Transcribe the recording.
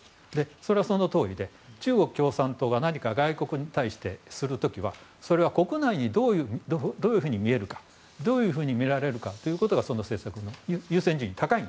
それはそのとおりで中国共産党が何かを外国に対してする時はそれは国内からどういうふうに見えるかどういうふうに見られるかが政策の優先順位が高い。